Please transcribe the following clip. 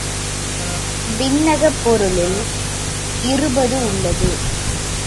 விண்ணகப் பொருளில் இருபது உள்ளது.